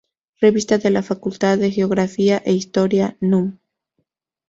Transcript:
Revista de la Facultad de Geografía e Historia, núm.